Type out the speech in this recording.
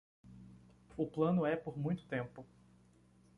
O plano é por muito tempo